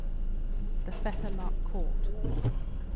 THE FETTERLOCK COURT.